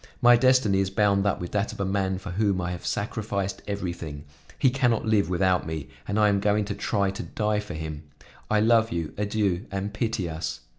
My destiny is bound up with that of a man for whom I have sacrificed everything; he can not live without me and I am going to try to die for him. I love you; adieu, and pity us."